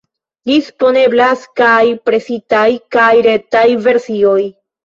Disponeblas kaj presitaj kaj retaj versioj.